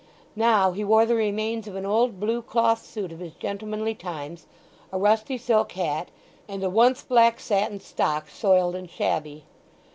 Now he wore the remains of an old blue cloth suit of his gentlemanly times, a rusty silk hat, and a once black satin stock, soiled and shabby.